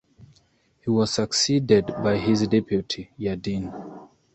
He was succeeded by his deputy, Yadin.